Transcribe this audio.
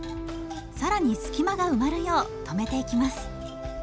更に隙間が埋まるよう留めていきます。